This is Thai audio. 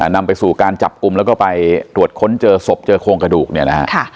นำไปสู่การจับกลุ่มแล้วก็ไปตรวจค้นเจอศพเจอโครงกระดูกเนี่ยนะฮะ